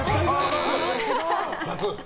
×。